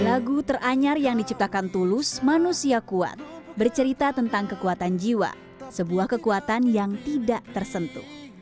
lagu teranyar yang diciptakan tulus manusia kuat bercerita tentang kekuatan jiwa sebuah kekuatan yang tidak tersentuh